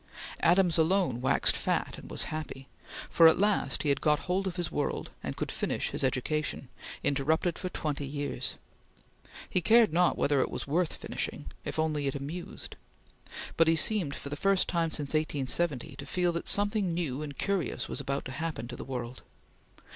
Adams alone waxed fat and was happy, for at last he had got hold of his world and could finish his education, interrupted for twenty years. He cared not whether it were worth finishing, if only it amused; but he seemed, for the first time since 1870, to feel that something new and curious was about to happen to the world.